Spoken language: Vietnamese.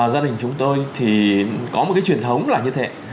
gia đình chúng tôi thì có một cái truyền thống là như thế